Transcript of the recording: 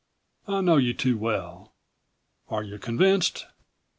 I know you too well. Are you convinced?"